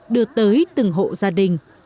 đưa tới từng hộ gia đình